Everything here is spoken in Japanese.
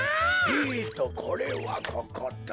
えっとこれはここと。